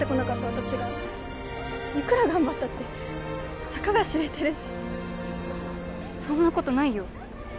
私がいくら頑張ったってたかが知れてるしそんなことないよ